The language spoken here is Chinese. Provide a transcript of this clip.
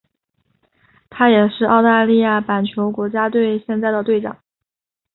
他也是澳大利亚板球国家队现在的队长。